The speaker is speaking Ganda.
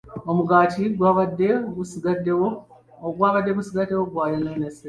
Omugaati ogwabadde gusigaddewo gwayonoonese.